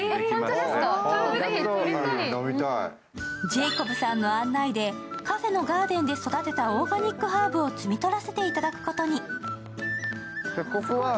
ジェイコブさんの案内で、カフェのガーデンで育てたオーガニックハーブを摘み取らせていただくことに。